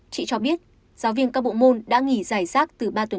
chị cho biết giáo viên các bộ môn đã nghỉ giải giác từ ba tuần trước